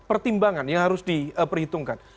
pertimbangan yang harus diperhitungkan